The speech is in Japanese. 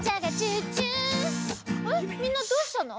えっみんなどうしたの？